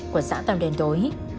của xã tàm đền tối